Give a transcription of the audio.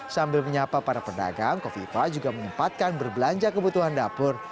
sambil menyapa para pedagang kofifa juga menyempatkan berbelanja kebutuhan dapur